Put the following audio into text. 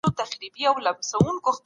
حتی مات شوی ګلدان مقصد لري.